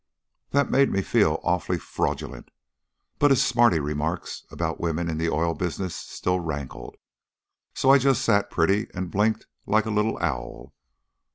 "That made me feel awfully fraudulent, but his smarty remarks about women in the oil business still rankled, so I just sat pretty and blinked like a little owl.